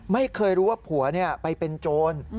ไม่รู้ว่าผัวไปเป็นโจร